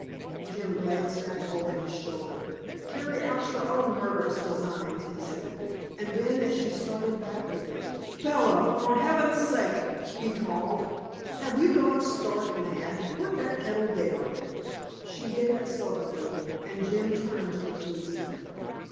Jim glanced back over his shoulder. "Carry out your own murderous designs," he said. And then, as she started back with it, "Bella, for Heaven's sake," he called, "have you gone stark mad? Put that kettle down." She did it sulkily and Jim turned to the policeman.